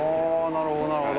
なるほど、なるほど。